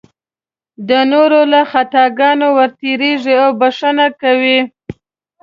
د نورو له خطاګانو ورتېرېږي او بښنه کوي.